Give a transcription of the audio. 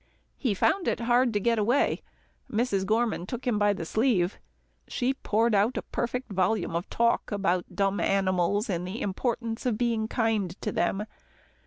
He found it hard to get away. Mrs. Gorman took him by the sleeve. She poured out a perfect volume of talk about dumb animals, and the importance of being kind to them.